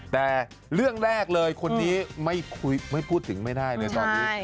แต่เรื่องแรกเลยคนนี้ไม่พูดถึงไม่ได้เลยตอนนี้